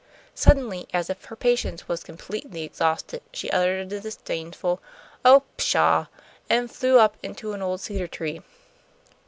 Suddenly, as if her patience was completely exhausted, she uttered a disdainful "Oh, pshaw!" and flew up into an old cedar tree.